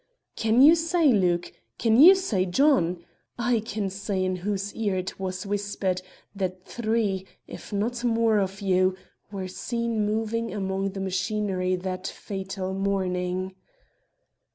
Can you say, Luke? Can you say, John? I can say in whose ear it was whispered that three, if not more of you, were seen moving among the machinery that fatal morning.